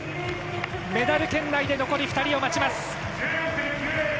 メダル圏内で残り２人を待ちます。